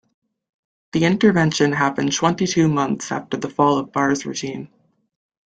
The intervention happened twenty-two months after the fall of Barre's regime.